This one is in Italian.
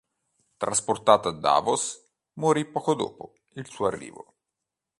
Trasportato a Davos, morì poco dopo il suo arrivo.